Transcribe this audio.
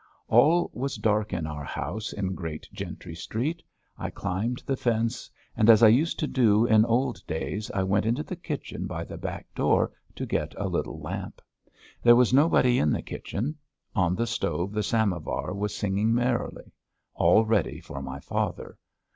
All was dark in our house in Great Gentry Street. I climbed the fence, and, as I used to do in old days, I went into the kitchen by the back door to get a little lamp. There was nobody in the kitchen. On the stove the samovar was singing merrily, all ready for my father.